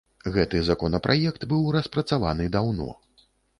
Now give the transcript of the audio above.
Гэты законапраект быў распрацаваны даўно.